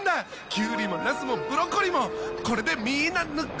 キュウリもナスもブロッコリーもこれでみんなぬか。